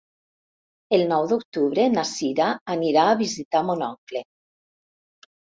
El nou d'octubre na Sira anirà a visitar mon oncle.